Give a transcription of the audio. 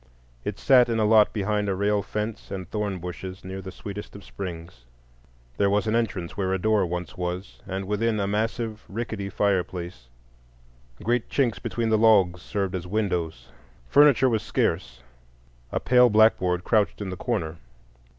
It sat in a lot behind a rail fence and thorn bushes, near the sweetest of springs. There was an entrance where a door once was, and within, a massive rickety fireplace; great chinks between the logs served as windows. Furniture was scarce. A pale blackboard crouched in the corner.